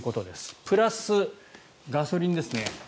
プラス、ガソリンですね。